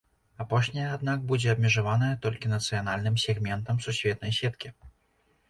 Апошняя, аднак, будзе абмежаваная толькі нацыянальным сегментам сусветнай сеткі.